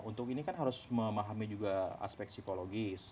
untuk ini kan harus memahami juga aspek psikologis